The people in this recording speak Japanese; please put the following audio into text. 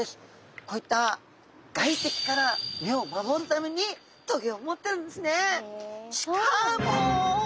こういった外敵から身を守るために棘を持ってるんですね。